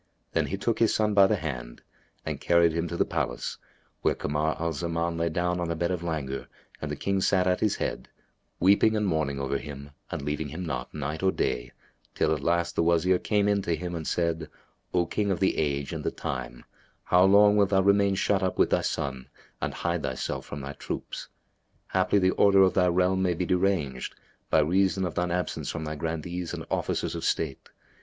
Then he took his son by the hand and carried him to the palace, where Kamar al Zaman lay down on the bed of languor and the King sat at his head, weeping and mourning over him and leaving him not, night or day, till at last the Wazir came in to him and said, "O King of the age and the time, how long wilt thou remain shut up with thy son and hide thyself from thy troops. Haply, the order of thy realm may be deranged, by reason of shine absence from thy Grandees and Officers of State.